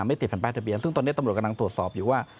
ไม่ติดแผ่นป้ายทะเบียนซึ่งตอนนี้ตำรวจกำลังตรวจสอบอยู่ว่า